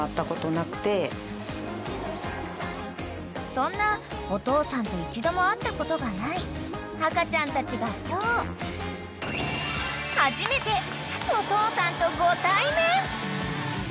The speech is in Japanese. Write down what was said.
［そんなお父さんと一度も会ったことがない赤ちゃんたちが今日はじめてお父さんとご対面］